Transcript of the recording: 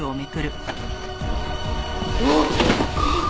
あっ！